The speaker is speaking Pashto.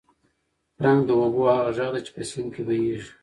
ترنګ د اوبو هغه غږ دی چې په سیند کې بهېږي.